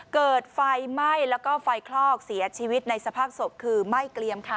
เกิดไฟไหม้แล้วก็ไฟคลอกเสียชีวิตในสภาพศพคือไหม้เกลียมค่ะ